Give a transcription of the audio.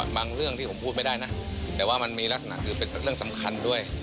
เรื่องที่ผมพูดไม่ได้นะแต่ว่ามันมีลักษณะคือเป็นเรื่องสำคัญด้วย